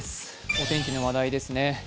お天気の話題ですね。